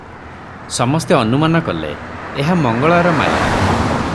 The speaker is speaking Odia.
ସମସ୍ତେ ଅନୁମାନ କଲେ, ଏହା ମଙ୍ଗଳାର ମାୟା ।